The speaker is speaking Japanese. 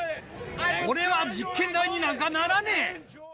俺は実験台になんかならねえ！